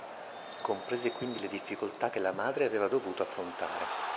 Comprese quindi le difficoltà che la madre aveva dovuto affrontare.